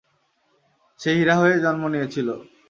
সে হীরা হয়ে জন্ম নিয়েছিল।